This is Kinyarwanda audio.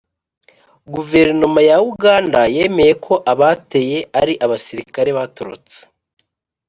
guverinoma ya uganda yemeye ko abateye ari «abasirikari batorotse»